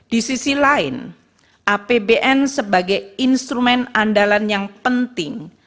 di sisi lain apbn sebagai instrumen andalan yang penting